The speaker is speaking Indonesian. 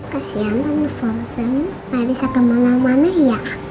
kasian tante frozen gak bisa kemana mana ya